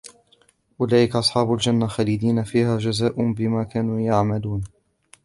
أولئك أصحاب الجنة خالدين فيها جزاء بما كانوا يعملون